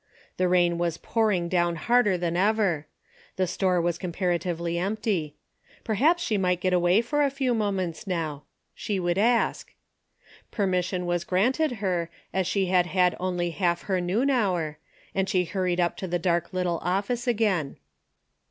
The rain was pouring down harder than ever. The store was compara tively empty. Perhaps she might get away for a few moments now ; she would ask. Per mission was granted her, as she had had only half her noon hour, and she hurried up to the dark little office again.